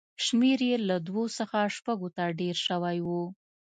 شمېر یې له دوو څخه شپږو ته ډېر شوی و.